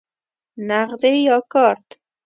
نغدی یا کارت؟